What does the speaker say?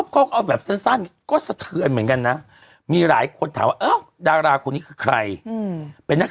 ก็แบบสั้นก็เสียมีหลายคนถามว่าดาราคนนี้ใครเป็นนัก